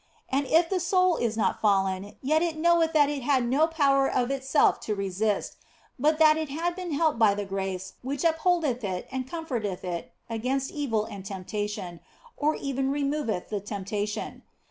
And if the soul is not fallen, yet it knoweth that it had no power of itself to resist, but that it had been helped by the grace OF FOLIGNO 113 which upholdeth it and comforteth it against evil and temptation, or even removeth the temptation.